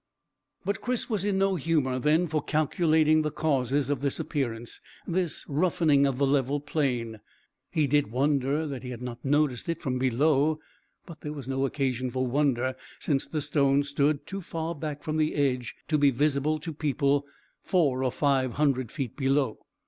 But Chris was in no humour then for calculating the causes of this appearance, this roughening of the level plain. He did wonder that he had not noticed it from below, but there was no occasion for wonder, since the stones stood too far back from the edge to be visible to people four or five hundred feet below.